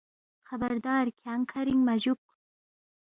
خبردار کھیانگ کھرِنگ مہ جُوک